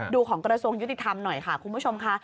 ของกระทรวงยุติธรรมหน่อยค่ะคุณผู้ชมค่ะ